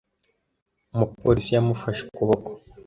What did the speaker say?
Umupolisi yamufashe ukuboko.